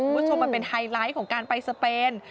คุณผู้ชมมันเป็นไฮไลท์ของการไปสเปน